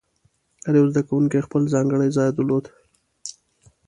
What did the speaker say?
هر یو زده کوونکی خپل ځانګړی ځای درلود.